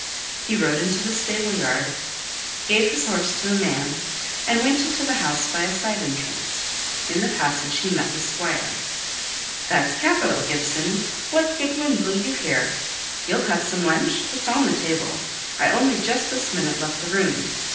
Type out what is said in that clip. He rode into the stable yard, gave his horse to a man, and went into the house by a side entrance. In the passage he met the Squire. "That's capital, Gibson! what good wind blew you here? You'll have some lunch? it's on the table, I only just this minute left the room."